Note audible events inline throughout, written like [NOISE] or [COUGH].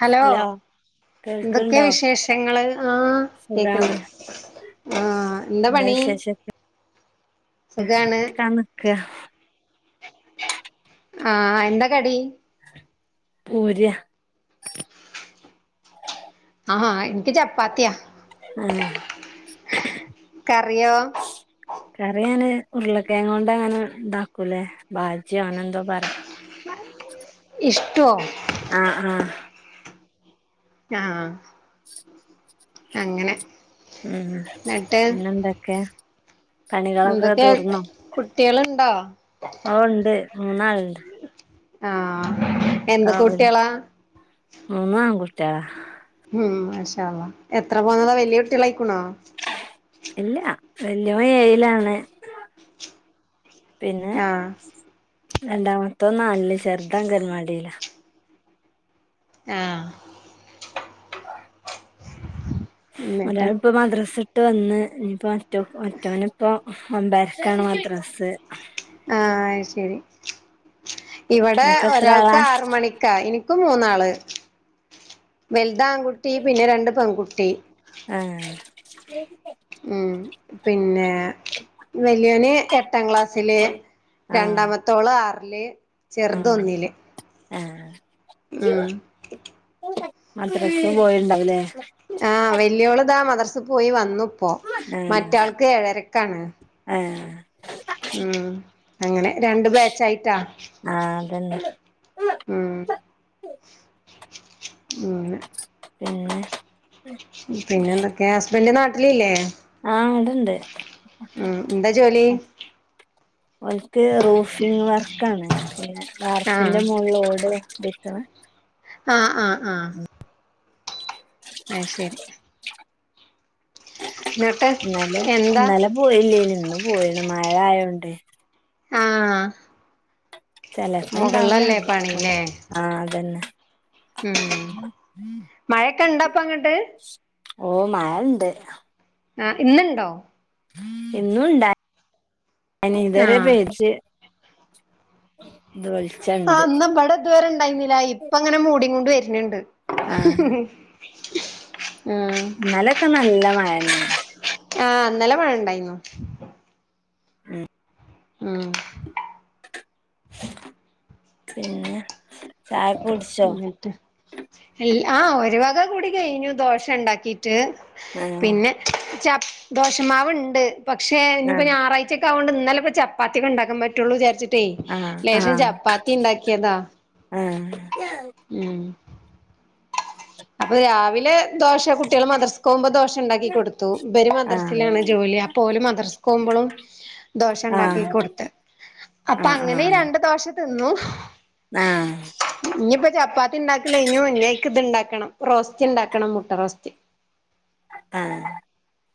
Hello എന്തൊക്കെ കേൾക്ക്ണ്ടോ വിശേഷങ്ങള് ആഹ് സുഖാണ് കേക്കണ്ട് ആഹ് എന്താ വിശേഷോക്കേ സുഖാണ് ക്കാ നിക്ക ആഹ് എന്താ കടി പൂര്യ ആഹ ഇൻക്ക് ചപ്പാത്തിയാ ആഹ കറിയോ കറി ഞാന് ഉരുളക്കയം കൊണ്ട്ങ്ങനെ ഇണ്ടാക്കൂലേ ബാജ്യോ അന എന്തോ പറയും ഇഷ്ട്ടു ആഹ ആഹ ആഹ അങ്ങനെ ഉം ന്നിട്ട് പിന്നെന്തൊക്കെ പണികളൊക്കെ എന്തൊക്കെയ കുട്ടിളുണ്ടോ അ ഉണ്ട് മൂന്നാളുണ്ട് ആഹ ആ മൂന്നാൺ കുട്ട്യാളാ ഉം മാഷാള്ളാഹ്‌ എത്ര പോന്നതാ വല്യട്ടളായിക്കണോ ഇല്ല വല്യോൻ ഏയിലാണ് പിന്നെ ആഹ് രണ്ടാമത്തോ നാലില് ചെറുത് അഗൻവാടിലാ ആഹ [UNINTELLIGIBLE] എന്നിട്ട് ഒരാളിപ്പോ മദ്രാസട്ട് വന്ന് ഇ നിപ്പോ മറ്റോനപ്പോ ഒമ്പരക്കാണ് മദ്റസ് ആഹ അയ് ശരി ഇവിടെ നിങ്ങക്ക് എത്ര ഒരാൾക്ക് ആളാ ആറ് മണിക്കാ ഇനി ഇക്ക് മൂന്നാള് വലുതൺകുട്ടി പിന്നെ രണ്ട് പെൺകുട്ടി ആഹ ഉം പിന്നെ വല്യായോന് എട്ടാം ക്ലാസ്സില് രണ്ടാമത്തോള്ം ആറില് ചെറുത് ആഹ ഒന്നില് ആഹ ഉം മദ്രസേ പോയിണ്ടാവുലേ ആഹ വല്ിയോളതാ മദർസി പോയി വന്നുപ്പോ ആഹ ആഹ ഉം അങ്ങനെ രണ്ട് ബാച്ചയിട്ടാ ആഹ് അതന്നെ ഉം അങ്ങനെ പിന്നെ പിന്നെ എന്തൊക്കെയ ഹസ്ബൻ്റ് നാട്ടിലില്ലേ ആഹ ഇവിടെ ണ്ട് ഉം എന്താ ജോലി ഓല്ക്ക് റൂഫിംഗ് വർക്കാണ് ആഹ് വാർപ്പിന്റെ മുകളിൽ ഓട് വെക്ക്ണ ആഹ ആഹ ആഹ അയ് ശരി മ ഇന്നലെ ഇന്നലെ പോയില്ലേ യിനു ഇന്ന് പോയിണ് മഴ ആയോ തോണ്ടെ ആഹ ചെലർക്ക് ഇണ്ടാവുല പണില്ലേ ആഹ അതന്നെ ഉം മഴക്കെണ്ടാപ്പ ങ്ങട്ട് ഓഹ മഴണ്ട് ആ്ഹ് ഇന്നുണ്ടോ ഇന്നും ഇണ്ടായി ഇതുവരെ ആഹ് പേച്ച് ഇപ്പ വെൾച്ച ആ് ഹ ഇന്ന് വിടെ ഇതുവരെ ഇണ്ടായിുന്നില്ല ഇപ്പ ങ്ങനെ മൂടികൊണ്ട് വരുന്നിണ്ട് ആഹ് ഉം ഇന്നലെക്കെ നല്ല മഴന്നെയിന് ആഹ് ഇന്നലെ മഴ ണ്ടായിരുന്നു ഉം ഉം പിന്നെ ചായൊക്കുട്ച്ചോ ആഹ ഒരു വക കൂടി കഴിഞ്ഞു ദോശ ണ്ടാക്കിട്ട് ആഹ് പിന്നെ ച ദോശമാവ്ണ്ട് പക്ഷെ ഞ്പ്പോ ആഹ് ഞാറാഴ് ഒറ്റക്കായതൊണ്ട ഇന്നല്ലെചപ്പാത്തിക്കെണ്ടാക്കാൻ പറ്റുള്ളുചാരിച്ച്ട്ടേ ലേശം ആഹ് ചപ്പാത്തി ണ്ടാക്കിയതാ ആഹ് ഉം അപ്പൊ രാവിലെ ദോശ കുട്ട്യാൾ മദ്റസ്ക്കോവുമ്പോ ദോശ ണ്ടാക്കി കൊടുത്തു ഇവര് ആഹ് മദ്രസിലാണ് ജോലി അപ്പോൽ ഓല് മദ്രസ്ക്കോവ്മ്പളും ദോശ ണ്ടാക്കി ആഹ് കൊട്ത്ത് അപ്പ ആഹ് ങ്ങനെ ആഹ് രണ്ട് ദോശ തിന്നു ആഹ് ഞ്പ്പോ ചപ്പാത്തിണ്ടാക്കലൈഞ്ഞു ഞ്ഞയ്ക്ക് ത്ണ്ടാക്കണം റോസ്റ്റ്ണ്ടാക്കണം മുട്ട റോസ്റ്റ് ആഹ്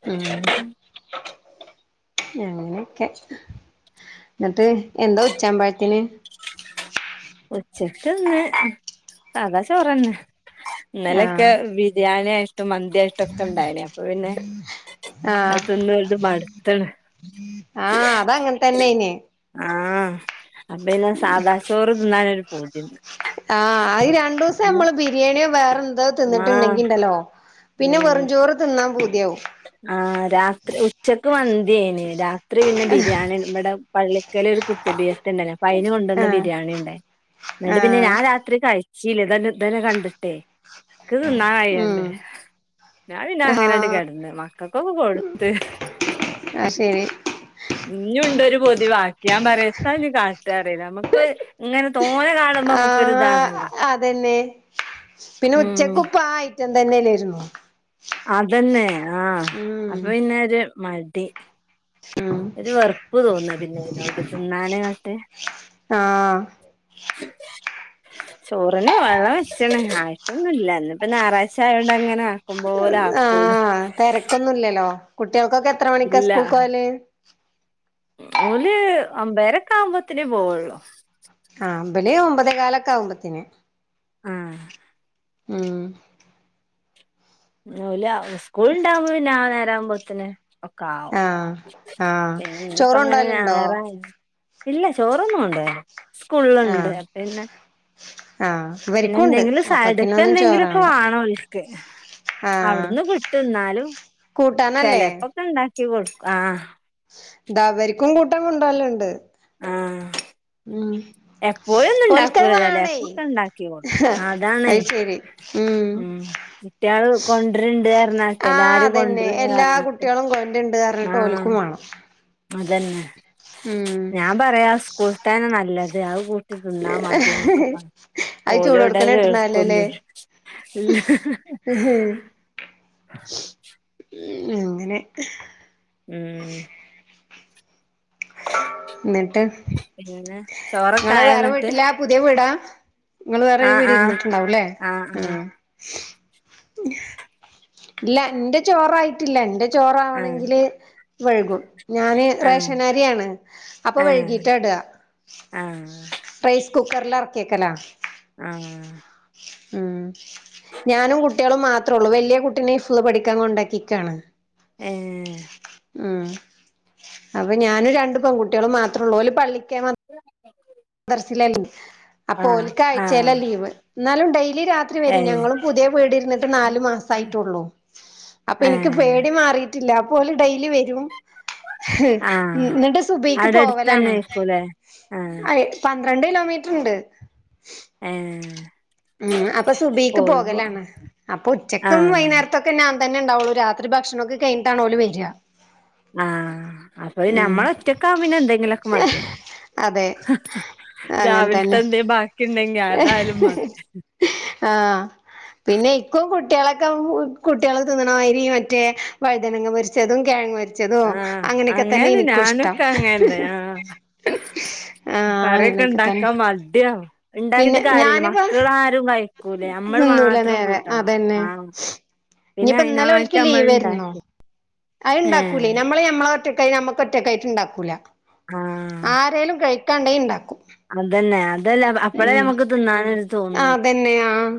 ഉം അങ്ങനെയൊക്കെ ന്നട്ട് എന്താ ഉച്ചാമ്പാഴത്തിന് ഉച്ചക്ക്ന്ന് സാധാ ചോറെന്നെ ന്നലൊക്കെ ആഹ് ബിരിയാണ്യായിട്ടും മന്ത്യായിട്ടൊക്കെണ്ടായിനി അപ്പ പിന്നെ ആഹ് അഹ് തിന്ന് ങ്ങട്ട് മട്ത്ത്ണ് ആഹ് അതങ്ങനെ തന്നെയ്ന് ആഹ് അപ്പപിന്നെ സാദാ ചോറ് ത്ന്നാനൊരു പൂതിൻക് ആഹ് അഹ് രണ്ടൂസം ഞമ്മള് ബിരിയാണ്യോ വേറെന്തോ ആഹ് തിന്നിട്ട്ണ്ടെങ്കിണ്ടല്ലോ പിന്നെ ഉം വെറുംചോ റ് തിന്നാൻ പൂത്യാവും ആഹ് രാത്രി ഉച്ചക്ക് മന്ത്യേനി രാത്രി പിന്നെ ബിര്യാണി ബടെ പള്ളിക്കലൊരു കുത്ത്ബിയ്യത് ണ്ടേനി അപ്പയ്ന് കൊണ്ടന്ന ആഹ് ബിരിയാണി ണ്ടായിനി, ന്നട്ട് പിന്നെ ആഹ് ഞാൻ രാത്രി കഴ് ച്ചീല്ല തന്നെ തന്നെ കണ്ടിട്ടേ ക്ക് ത് ന്നാൻ കയ്യണ്ടേ ഉം ഞാൻ പിന്നങ്ങനണ്ട് ആഹ് കെട്ന്ന് ക്കക്കൊക്കെ കൊട്ത്ത് ന്നാ ശരി ഇഞ്ഞുണ്ടൊരു പൊതി വാക്കി. ഞാൻ പറ്യ എത്താ ഞ്ഞി കാട്ടറ്യ ഞമ്മക് പ്പ് ഇങ്ങനെ തോനെ കാണുംമ്പമ്മക്കൊര് ആഹ് താണല്ലോ അതന്നെ, പിന്നെ ഉം ഉച്ചക്കുപ്പാ ഐറ്റം തന്നല്ലേര്ന്നോ അതന്നെ ആഹ് അപ്പൊ പിന്നെ ഒര് മടി ഉം ഒരു വെർപ്പ് തോന്ന, പിന്നെ അയ്നോട് തിന്നാന്ങ്ങട്ട് ആഹ് ചോറിന് വെള്ളം വെച്ചീണ്. ആയിട്ടൊന്നു ല്ല ന്നിപ്പ ഞായറാഴ്ചായോണ്ടങ്ങനാക്കം പോലാക്കൊള്ളു തെരക്കൊന്നുല്ലല്ലോ, കുട്ട്യാൾക്കൊക്കെ എത്ര മണിക്കാ ഇല്ല സ്കൂൾക്കോവല് ഓല് ഒമ്പേരക്കാവുമ്പോത്ത്നേ പോവൊള്ളു ആഹ് ബല് ഒമ്പതെ കാലൊക്കാവുമ്പത്തിന് ഉം ഉം നൂല, ഉസ്കൂള്ണ്ടാവുമ്പൊ പിന്നെ ആ നേരാവുമ്പോത്തിന് ഒക്കാവും, ആഹ് ആഹ് പിന്നെ ചോറ് ഇന്ന്പ്പങ്ങനെ കൊണ്ടോവലുണ്ടോ ഞായറായി ഇല്ല ചോറൊന്നു കൊണ്ടോവെല്ല ആഹ് ആഹ് ഇവര്ക്കുണ്ട് പിന്നെന്തെങ്കിലും അപ്പക്കിനൊന്നും ചോറ് സൈഡ്ക്കെന്തെങ്കിലൊക്കെ വേണ്ട വാണോൽക്ക് ആഹ് അവ്ട്ന്ന് കിട്ടു ന്നാലും കൂട്ടാനല്ലേ ചെലേപ്പൊക്കെ ണ്ടാക്കികൊടുക്കും ആഹ് താ വര്ക്കും കൂട്ടാൻ കൊണ്ടോവല്ണ്ട് ആഹ് ഉം എപ്പോഴൊന്നും ഓൽക്കഹ് ഉണ്ടാക്കൂല വാണേ ചെലേപ്പൊക്കെ ഉണ്ടാക്കി കൊടുക്കും അതാണേ അയ് ശരി ഉം കുട്ട്യാള് കൊണ്ടര്ണ്ട് പറഞ്ഞാട്ട് ആ എല്ലാരും അതന്നെ കൊണ്ടരുംന്ന് എല്ലാ പറഞ്ഞാട്ട് കുട്ട്യാലും കൊണ് ണ്ട്ര്ഞ്ഞ്ട്ട് ഓൽക്കും ആഹ് വാണം അതന്നെ ഉം ഞാൻ പറയാ സ്കൂൾതെന്നെ നല്ലത് അത് കൂ ട്ടി തിന്നാ മതി ന്നൊക്കെ പറയ്. അത് ഓലൗടെ അത് ചൂടോട്ക്കനെ കിട്ട്ണതല്ലല്ലേ കേൾക്കൊന്നുല്ല അങ്ങനെ ഉം ന്ന്ട്ട് പിന്നെ ചോറൊക്കെ ഇങ്ങള് ആയോ വേറെ ന്നിട്ട് വീട്ട്ലാ പുതിയ വീടാ? ഇങ്ങള് വേറെ വീട് ആഹ് ര്ന്ന്ട്ട്ണ്ടാവൂല്ലേ. ആഹ് ഇല്ല ഇന്റെ ചോറായിട്ടില്ല ഇന്റെ ആഹ് ചോറാവണെങ്കില് വെഴ്കും ഞാന് ആഹ് റേഷനര്യാണ് അപ്പൊ ആഹ് വെഴ്കീട്ടാ ടാ. ആഹ് ആഹ് റൈസ് കുക്കർ ലെർക്ക്യക്കലാ. ആഹ് ഉം ഞാനും കുട്ട്യേളും മാത്രൊള്ളൂ വെല്ല്യെ കു ട്ടിനെ ഹിഫ്ള് പഠിക്കാൻ കൊണ്ടാക്ക്യക്കാണ്. ഏഹ് ഉം അപ്പൊ ഞാനും രണ്ട് പെൺകുട്ട്യാളും മാത്രൊള്ളൂ ഓല് പള്ളിക്കെ മ [UNINTELLIGIBLE] ദർസിലെനി അപ്പൊ ആഹ് ഓല്ക്കായ്‌ച്ചേല ആഹ് ലീവ്. ന്നാലും ഡെയ്ലി രാ ത്രി വെരും. ഏഹ് ഞങ്ങള് പുത്യേ വീട് ര്ന്ന്ട്ട് നാല് മാസയിട്ടൊള്ളു അപ്പൊ ഇൻക് ഏഹ് പേടി മാറി ട്ടില്ല അപ്പൊല് ഡെയ്ലി വെരും ൻ ആഹ് ന്നട്ട് സുബെയിക്ക് അവിടെ പോവലാണ്. അടുത്തന്നെയിരിക്കൂല്ലേ ആഹ് അയ് പന്ത്രണ്ട് കിലോമീറ്ററ്ണ്ട്. ഏഹ് ഉം അപ്പൊ സുബീക്ക് പോയിപ്പോ പോകലാണ്. അപ്പൊ ഉച്ചക്കും ആഹ് വൈന്നേര്ത്തൊ ക്കെ ഞാൻ തെന്നെ ണ്ടാവൊള്ളൂ രാത്രി ഭക്ഷണൊക്കെ കെയ്ഞ്ഞ്ട്ടാണ് ഓല് വെരാ. ആ അപ്പൊ ഞമ്മളൊറ്റക്കാവുമ്പോ പിന്നെ ന്തെങ്കിലൊക്കെ മത്യ അതെ അങ്ങൻ തന്നെ രാവിൽത്തെന്തേ ബാക്കിണ്ടെങ്കി അതായാലും മതി. ആഹ് പിന്നെ ഇക്കും കുട്ട്യേളെക്കെ കുട്ട്യാള് തിന്ന്ണ മാതിരി മറ്റേ വഴുതനങ്ങ പൊര്ച്ചതും കെഴങ്ങ് പൊ ആഹ് അങ്ങനെന്നെ ഞാനൊക്കങ്ങനെന്നെ ആഹ്. ആഹ് അങ്ങനെയൊക്കെ തന്നെ കറ്യൊക്കെണ്ടാക്കാൻ മട്യ പിന്നെ ഇണ്ടാക്കിട്ട് കാര്യല്ല ഞാനിപ്പോ മക്കളാരും കയ് യ്കൂല അമ്മള് തിന്നൂല മാത്രം നേരെ കൂട്ടണം. അതന്നെ ആഹ് ഇനിയിപ്പോ ഇന്നലെ ഓൽക്ക് പിന്നയ്നായിട്ട് ലീവേര്ന്നു അമ്മള്ണ്ടാക്ക. അത് ഇണ്ടാക്കൂലെയ് നമ്മള് നമ്മളെ ഒറ്റക്കായ് നമ്മക്കൊറ്റക്കായിട്ട് ണ്ടാക്കൂല. ആരേലും കയ് കാണ്ടെങ്കി ണ്ടാക്കും. അതെന്നെ അതല്ല അപ്പളേ നമ്മക്ക് തിന്നാനൊന്ന് തോന്നോ തെന്നെ ആഹ്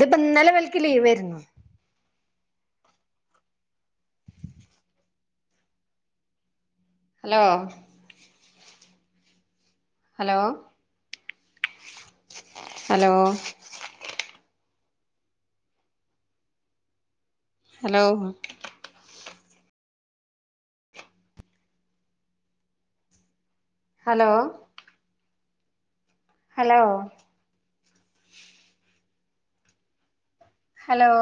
ത്പ്പോ ഇന്നലെ ഇവൽക്ക് ലീവേര്ന്നു. Hello hello hello hello [UNINTELLIGIBLE] hello hello hello